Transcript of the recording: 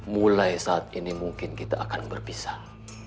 mulai saat ini mungkin kita akan berpisah